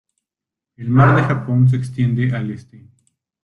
El mar de Japón se extiende al este.